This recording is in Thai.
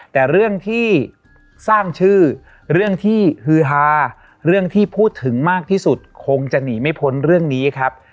แต่เรื่องที่สร้างชื่อเรื่องที่ฮือฮาเรื่องที่พูดถึงมากที่สุดคงจะหนีไม่พ้นเรื่องนี้ครับ